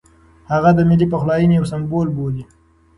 هغه د ملي پخلاینې یو سمبول بولي.